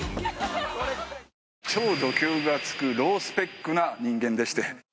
超ど級がつくロースペックな人間でして。